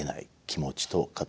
気持ちと型。